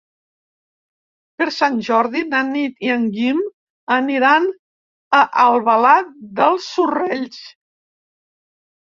Per Sant Jordi na Nit i en Guim aniran a Albalat dels Sorells.